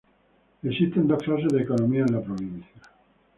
Existen dos clases de economías en la provincia.